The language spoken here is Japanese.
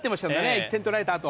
１点取られたあと。